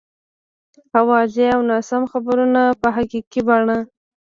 اوازې او ناسم خبرونه په حقیقي بڼه.